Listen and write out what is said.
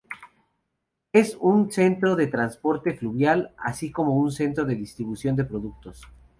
Es un centro de transporte fluvial, así como un centro de distribución de productos.